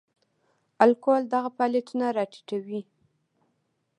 الکول دغه فعالیتونه را ټیټوي.